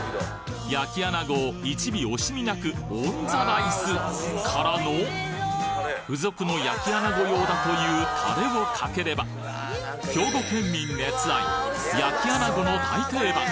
焼き穴子を１尾惜しみなくオンザライス！からの付属の焼き穴子用だというタレをかければ兵庫県民熱愛焼き穴子の大定番